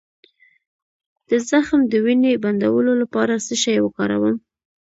د زخم د وینې بندولو لپاره څه شی وکاروم؟